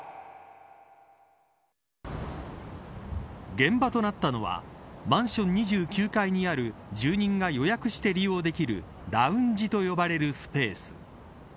現場となったのはマンション２９階にある住人が予約して利用できるラウンジと呼ばれるスペース。